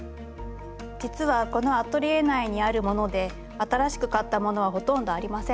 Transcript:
実はこのアトリエ内にあるもので新しく買ったものはほとんどありません。